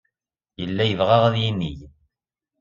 Yella yebɣa ad yinig.